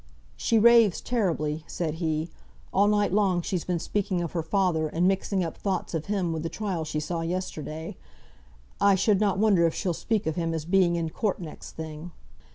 "She raves terribly," said he. "All night long she's been speaking of her father, and mixing up thoughts of him with the trial she saw yesterday. I should not wonder if she'll speak of him as being in court next thing."